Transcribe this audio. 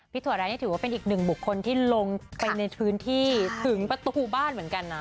ถั่วร้ายนี่ถือว่าเป็นอีกหนึ่งบุคคลที่ลงไปในพื้นที่ถึงประตูบ้านเหมือนกันนะ